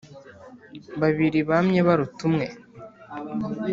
babiri bamye baruta umwe.